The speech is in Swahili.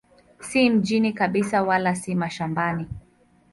Si mjini kabisa wala si mashambani.